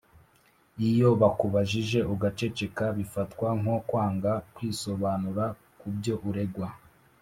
Iyo bakubajije ugaceceka Bifatwa nko kwanga kwisobanura kubyo uregwa